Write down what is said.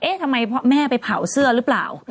เอ๊ะทำไมแม่ไปเผาเสื้อหรือเปล่า